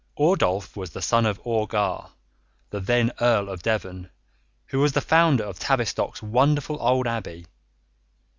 Ordulph was the son of Orgar, the then Earl of Devon, who was the founder of Tavistock's wonderful old abbey.